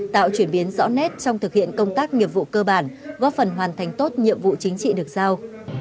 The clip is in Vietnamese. tạo chuyển biến rõ nét trong thực hiện công tác nghiệp vụ cơ bản góp phần hoàn thành tốt nhiệm vụ chính trị được giao